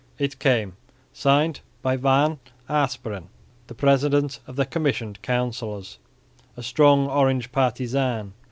It came, signed by Van Asperen, the president of the Commissioned Councillors, a strong Orange partisan.